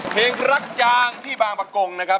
เพลงรักจางที่บางประกงนะครับ